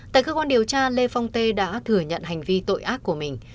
tại cơ quan điều tra lê phong tê đã thừa nhận hành vi tội ác của mình